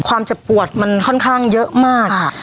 ความเจ็บปวดมันค่อนข้างเยอะมาก